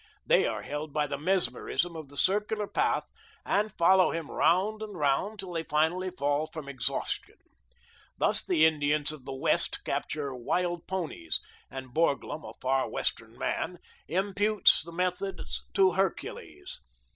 They are held by the mesmerism of the circular path and follow him round and round till they finally fall from exhaustion. Thus the Indians of the West capture wild ponies, and Borglum, a far western man, imputes the method to Hercules.